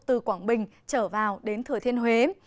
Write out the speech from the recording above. từ quảng bình trở vào đến thừa thiên huế